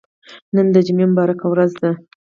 نن د جمعه مبارکه ورځ ده.